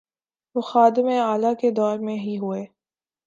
وہ خادم اعلی کے دور میں ہی ہوئے۔